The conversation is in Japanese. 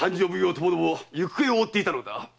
ともども行方を追っていたのだ。